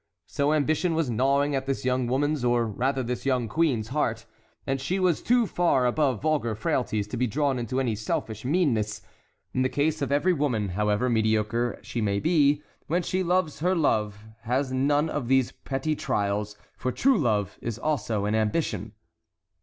So ambition was gnawing at this young woman's, or rather this young queen's heart, and she was too far above vulgar frailties to be drawn into any selfish meanness; in the case of every woman, however mediocre she may be, when she loves her love has none of these petty trials, for true love is also an ambition.